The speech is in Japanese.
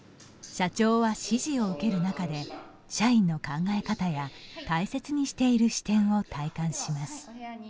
社長は指示を受ける中で社員の考え方や大切にしている視点を体感します。